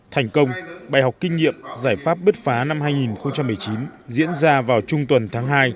thành công bài học kinh nghiệm giải pháp bứt phá năm hai nghìn một mươi chín diễn ra vào trung tuần tháng hai